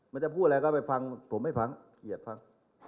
มันจะพูดอะไรก็ไปฟังผมไม่ฟังเกียรติฟัง